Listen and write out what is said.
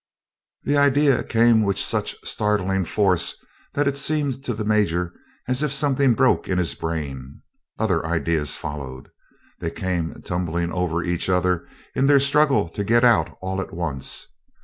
The idea came with such startling force that it seemed to the Major as if something broke in his brain. Other ideas followed. They came tumbling over each other in their struggle to get out all at once.